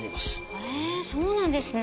へえそうなんですね。